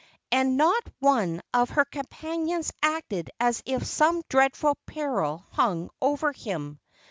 And not one of her companions acted as if some dreadful peril hung over him.